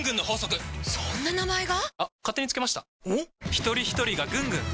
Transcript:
ひとりひとりがぐんぐん！